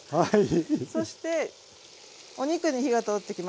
そしてお肉に火が通ってきました。